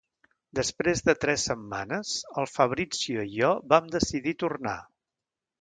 Després de tres setmanes, el Fabrizio i jo vam decidir tornar.